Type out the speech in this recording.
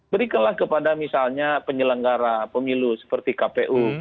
berikanlah kepada misalnya penyelenggara pemilu seperti kpu